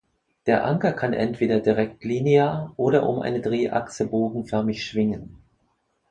Der Anker kann entweder direkt linear oder um eine Drehachse bogenförmig schwingen.